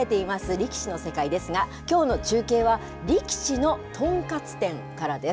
力士の世界ですが、きょうの中継は、力士の豚カツ店からです。